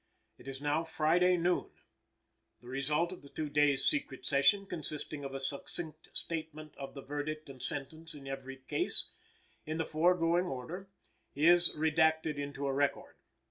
It is now Friday noon. The result of the two days' secret session, consisting of a succinct statement of the verdict and sentence in every case, in the foregoing order, is redacted into a record.